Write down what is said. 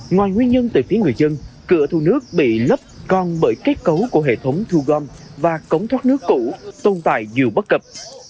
ngoài nguyên nhân từ phía người dân cửa thu nước bị lấp còn bởi kết cấu của hệ thống thu gom và cống thoát nước cũ tồn tại nhiều bất cập